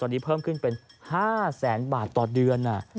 ตอนนี้เพิ่มขึ้นเป็น๕แสนบาทต่อเดือน